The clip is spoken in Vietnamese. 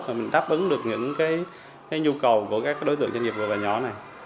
và mình đáp ứng được những cái nhu cầu của các đối tượng doanh nghiệp vừa và nhỏ này